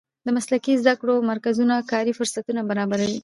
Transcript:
د مسلکي زده کړو مرکزونه کاري فرصتونه برابروي.